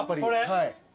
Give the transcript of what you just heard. はい。